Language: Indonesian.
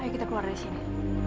ayo kita keluar dari sini